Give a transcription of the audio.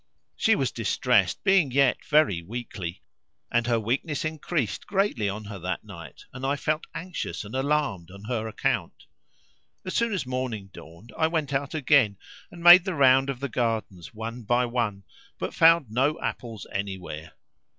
She was distressed, being yet very weakly, and her weakness increased greatly on her that night and I felt anxious and alarmed on her account. As soon as morning dawned I went out again and made the round of the gardens, one by one, but found no apples anywhere.